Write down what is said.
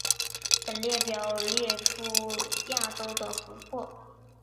本列表列出亚洲的湖泊。